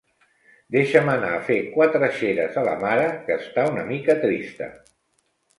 Deixa'm anar a fer quatre xeres a la mare, que està una mica trista.